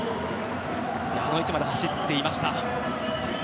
あの位置まで走っていました。